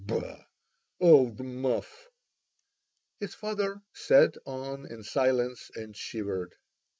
Ba! old muff!" His father sat on in silence and shivered.